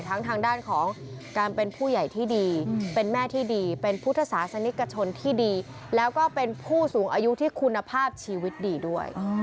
ทางด้านของการเป็นผู้ใหญ่ที่ดีเป็นแม่ที่ดีเป็นพุทธศาสนิกชนที่ดีแล้วก็เป็นผู้สูงอายุที่คุณภาพชีวิตดีด้วย